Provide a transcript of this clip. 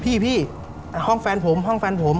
พี่ห้องแฟนผม